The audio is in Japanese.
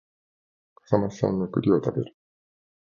笠間市産の栗を食べる